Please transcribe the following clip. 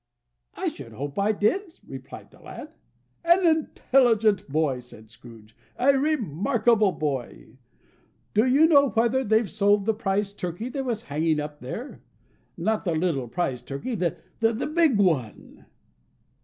"I should hope I did," replied the lad. "An intelligent boy!" said Scrooge. "A remarkable boy! Do you know whether they've sold the prize turkey that was hanging up there? Not the little prize turkey, the big one?"